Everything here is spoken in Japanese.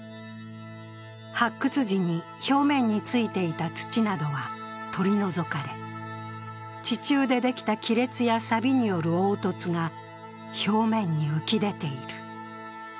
発掘時に表面についていた土などは取り除かれ、地中でできた亀裂やさびによる凹凸が表面に浮き出ている。